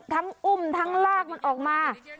ทั้งอุ่มทั้งลากมันออกมา